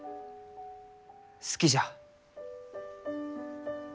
好きじゃ。